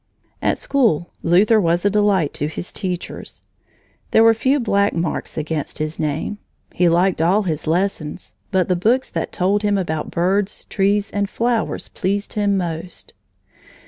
At school, Luther was a delight to his teachers. There were few black marks against his name. He liked all his lessons, but the books that told him about birds, trees, and flowers pleased him most.